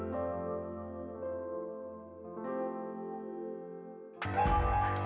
tapi kalau mereka berpisah